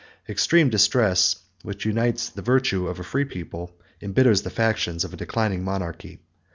Extreme distress, which unites the virtue of a free people, imbitters the factions of a declining monarchy.